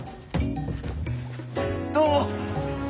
どうも。